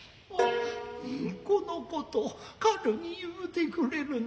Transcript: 「この事かるに言うてくれるな。